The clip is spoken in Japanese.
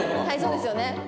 はいそうですよね。